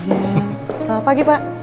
selamat pagi pak